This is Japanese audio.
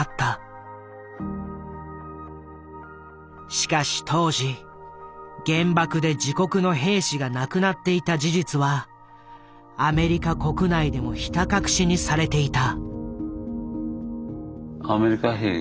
しかし当時原爆で自国の兵士が亡くなっていた事実はアメリカ国内でもひた隠しにされていた。